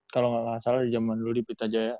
kalau gak salah di jaman dulu di pita jaya